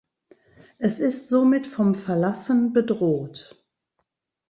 Es ist somit vom Verlassen bedroht.